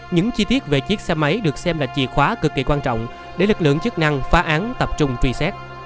những chi tiết về chiếc xe máy được xem là chìa khóa cực kỳ quan trọng để lực lượng chức năng phá án tập trung truy xét